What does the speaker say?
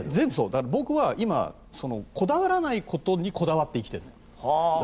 僕は今、こだわらないことにこだわって生きてるの。